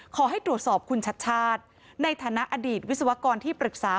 ขอให้ตรวจสอบคุณชัดชาติในฐานะอดีตวิศวกรที่ปรึกษา